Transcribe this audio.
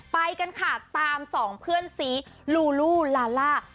ไปกันค่ะตามสองเพื่อนซีลูลูลาล่า